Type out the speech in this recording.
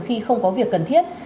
khi không có việc cần thiết